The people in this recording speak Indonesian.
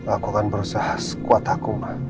aku akan berusaha sekuat aku ma